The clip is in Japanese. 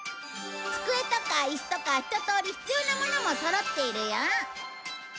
机とか椅子とかひととおり必要なものもそろっているよ。